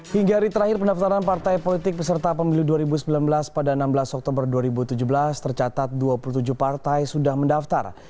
hingga hari terakhir pendaftaran partai politik peserta pemilu dua ribu sembilan belas pada enam belas oktober dua ribu tujuh belas tercatat dua puluh tujuh partai sudah mendaftar